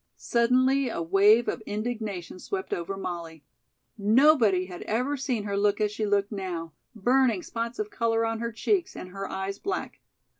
Suddenly a wave of indignation swept over Molly. Nobody had ever seen her look as she looked now, burning spots of color on her cheeks and her eyes black.